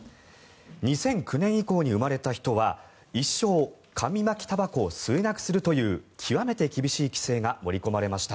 ２００９年以降に生まれた人は一生、紙巻きたばこを吸えなくするという極めて厳しい規制が盛り込まれました。